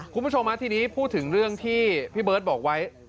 คุณผู้ชมทีนี้พูดถึงเรื่องที่พี่เบิร์ตบอกไว้